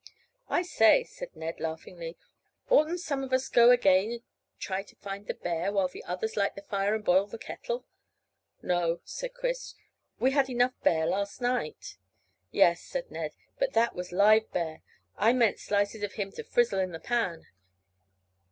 "I say," said Ned, laughingly, "oughtn't some of us to go again and try to find the bear, while the others light the fire and boil the kettle?" "No," said Chris. "We had enough bear last night." "Yes," said Ned, "but that was live bear; I meant slices of him to frizzle in the pan.